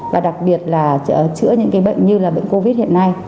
và đặc biệt là chữa những cái bệnh như là bệnh covid hiện nay